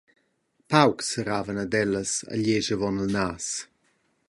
Paucs serravan ad ellas igl esch avon il nas.